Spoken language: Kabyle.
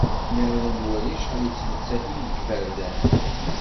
Mi ara nwali acḥal i yettmettaten deg yiberdan.